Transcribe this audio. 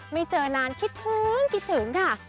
ไม่เจอนานคิดถึงคิดถึงค่ะ